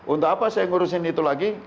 untuk apa saya ngurusin itu lagi